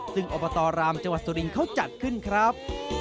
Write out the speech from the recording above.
ซึ่งอบตรามเจาะสุรินเขาจัดขึ้นครับ